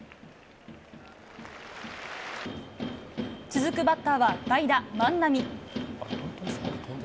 続くバッターは、代打、万波。